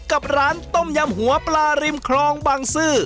กับร้านต้มยำหัวปลาริมคลองบางซื่อ